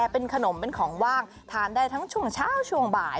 เป็นขนมเป็นของว่างทานได้ทั้งช่วงเช้าช่วงบ่าย